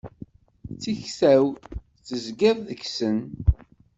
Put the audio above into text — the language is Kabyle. Tikta-w, tezgiḍ deg-sen.